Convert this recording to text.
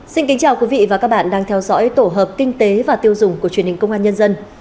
xin kính chào quý vị và các bạn đang theo dõi tổ hợp kinh tế và tiêu dùng của truyền hình công an nhân dân